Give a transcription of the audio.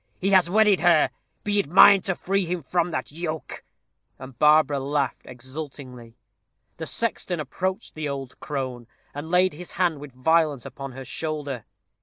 He has wedded her. Be it mine to free him from that yoke." And Barbara laughed exultingly. The sexton approached the old crone, and laid his hand with violence upon her shoulder.